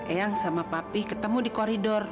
eyang sama papi ketemu di koridor